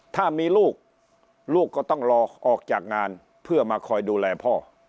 ถ้ามีลูกลูกก็ต้องรอออกจากงานเพื่อมาคอยดูแลพ่อ